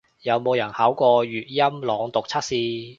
有冇人考過粵音朗讀測試